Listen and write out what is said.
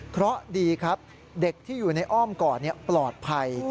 เพราะดีครับเด็กที่อยู่ในอ้อมกอดปลอดภัย